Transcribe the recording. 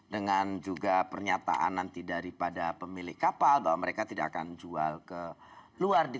dengan juga pernyataan nanti daripada pemilik kapal bahwa mereka tidak akan jual ke luar